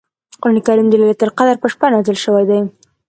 قران کریم د لیلة القدر په شپه نازل شوی دی .